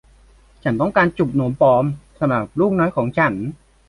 ฉันต้องการจุกนมปลอมสำหรับลูกน้อยของฉัน